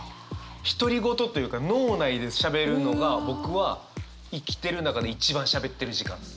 独り言というか脳内でしゃべるのが僕は生きてる中で一番しゃべってる時間です。